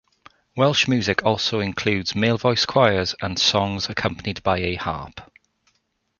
Welsh music also includes male voice choirs and songs accompanied by a harp.